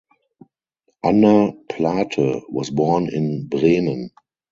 Anna Plate was born in Bremen.